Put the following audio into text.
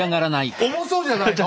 重そうじゃないの？